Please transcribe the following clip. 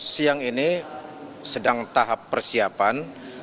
siang ini sedang tahap persiapan